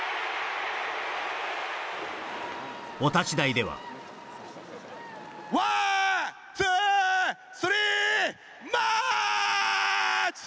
お立ち台ではワンツースリーマーッチ！